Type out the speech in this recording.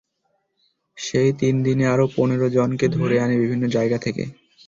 সেই তিন দিনে আরও পনেরো জনকে ধরে আনে বিভিন্ন জায়গা থেকে।